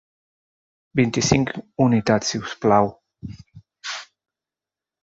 Vint-i-cinc unitats, si us plau.